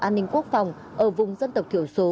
an ninh quốc phòng ở vùng dân tộc thiểu số